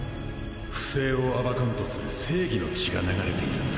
不正を暴かんとする正義の血が流れているんだ赫灼！